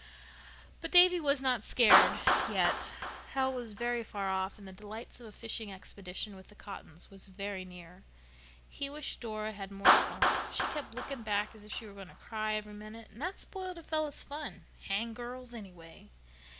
But Davy was not scared—yet. Hell was very far off, and the delights of a fishing expedition with the Cottons were very near. He wished Dora had more spunk. She kept looking back as if she were going to cry every minute, and that spoiled a fellow's fun. Hang girls, anyway.